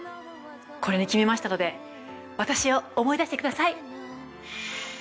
これに決めましたので私を思い出してください！